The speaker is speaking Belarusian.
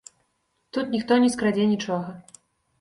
Тут ніхто не скрадзе нічога.